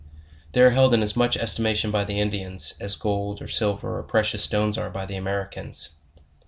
They are held in .as much estimation by the Indians, as gold, or silver, or precious stones are by the Americans.